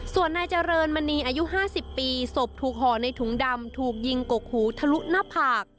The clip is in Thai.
ส่วนนายเจริญมณีอายุ๕๐ปีศพถูกห่อในถุงดำถูกยิงกกหูทะลุหน้าผาก